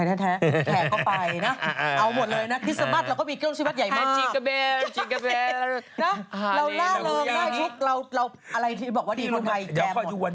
อะไรที่บอกว่าดีคนไทยแก่หมด